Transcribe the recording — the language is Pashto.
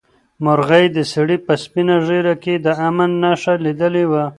مرغۍ د سړي په سپینه ږیره کې د امن نښه لیدلې وه.